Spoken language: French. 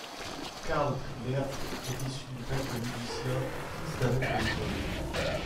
Karl Frieberth est issu d'une famille de musiciens, fils d'un maître d'école.